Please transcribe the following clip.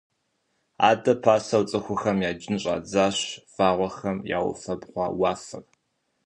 Адэ пасэу цӏыхухэм яджын щӏадзащ вагъуэхэм яуфэбгъуа уафэр.